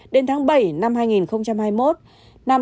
đến tháng bảy năm hai nghìn hai mươi một